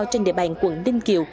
trên địa bàn quận ninh kiều